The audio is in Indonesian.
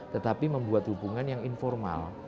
tetapi membuat hubungan yang informal